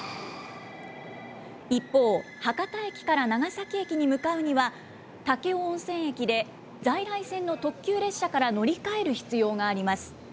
一方、博多駅から長崎駅に向かうには、武雄温泉駅で在来線の特急列車から乗り換える必要があります。